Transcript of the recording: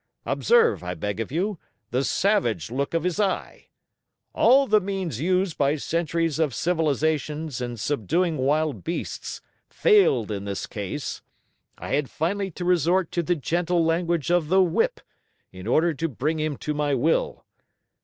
Observe, I beg of you, the savage look of his eye. All the means used by centuries of civilization in subduing wild beasts failed in this case. I had finally to resort to the gentle language of the whip in order to bring him to my will.